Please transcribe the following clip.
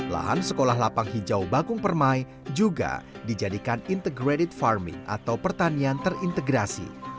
lahan sekolah lapang hijau bakung permai juga dijadikan integrated farming atau pertanian terintegrasi